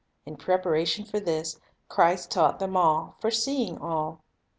In preparation for this, Christ taught them, foreseeing all.